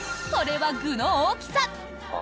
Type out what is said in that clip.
それは具の大きさ。